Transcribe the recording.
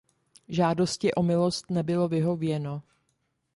Žádosti o milost nebylo vyhověno.